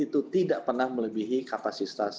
tidak pernah melebihi kapasitas